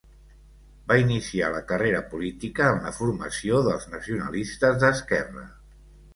Va iniciar la carrera política en la formació dels Nacionalistes d'Esquerra.